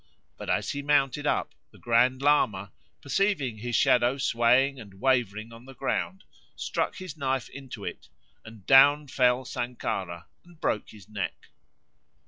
But as he mounted up the Grand Lama, perceiving his shadow swaying and wavering on the ground, struck his knife into it and down fell Sankara and broke his neck.